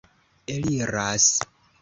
eliras